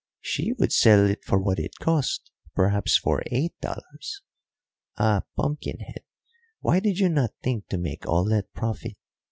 "She would sell it for what it cost perhaps for eight dollars. Ah, pumpkin head, why did you not think to make all that profit?